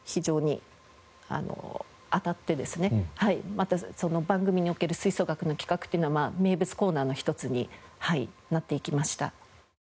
またその番組における吹奏楽の企画っていうのは名物コーナーの一つになっていきました。